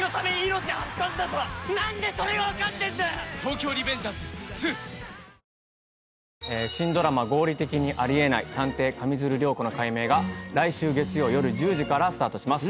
キリン「生茶」新ドラマ『合理的にあり得ない探偵・上水流涼子の解明』が来週月曜夜１０時からスタートします。